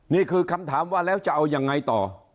นี่คือคำถามว่าแล้วจะเอายังไงต่อ